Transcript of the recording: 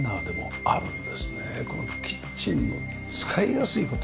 このキッチンの使いやすいこと。